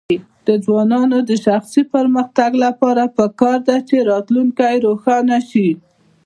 د ځوانانو د شخصي پرمختګ لپاره پکار ده چې راتلونکی روښانه کړي.